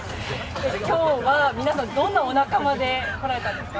今日は皆さん、どんなお仲間で来られたんですか？